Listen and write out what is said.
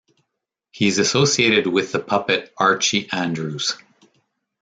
He is associated with the puppet Archie Andrews.